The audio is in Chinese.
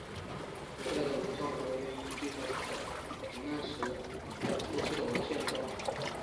古代的武藏国荏原郡最早记载于平安时代初期的文献中。